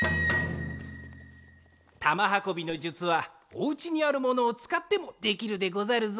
玉はこびの術はお家にあるものをつかってもできるでござるぞ。